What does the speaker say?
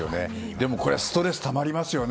でもストレスたまりますよね。